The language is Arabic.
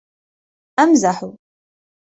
امزح.